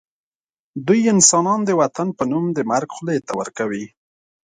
دوی انسانان د وطن په نوم د مرګ خولې ته ورکوي